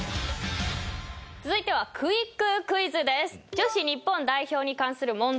続いてはクイッククイズです。